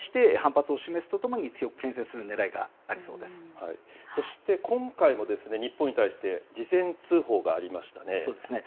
これらに対して、反発を示すとともに強くけん制するねらいがあるそして、今回も日本に対して、そうですね。